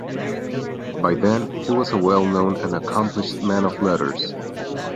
By then, he was a well-known and accomplished man-of-letters.